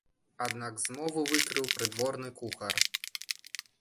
Аднак змову выкрыў прыдворны кухар.